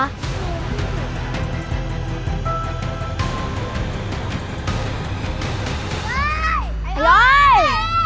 ไอ้อยไอ้อย